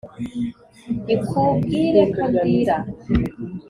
ikubwire ko ndira